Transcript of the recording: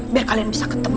biar kalian bisa ketemu